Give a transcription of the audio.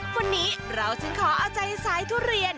วันนี้เราจึงขอเอาใจสายทุเรียน